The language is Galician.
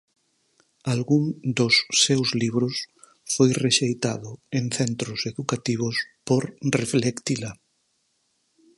Algún dos seus libros foi rexeitado en centros educativos por reflectila.